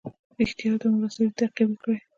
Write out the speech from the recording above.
ریښتیاوو ته مو رسوي تعقیب یې کړئ.